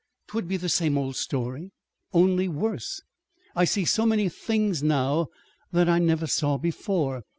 "'Twould be the same old story only worse. I see so many things now that I never saw before.